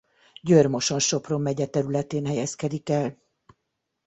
Győr-Moson-Sopron megye területén helyezkedik el.